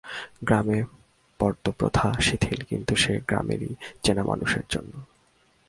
গ্রামে পর্দপ্রথা শিথিল কিন্তু সে গ্রামেরই চেনা মানুষের জন্য।